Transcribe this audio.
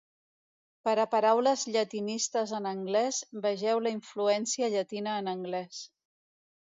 Per a paraules llatinistes en anglès, vegeu la influència llatina en anglès.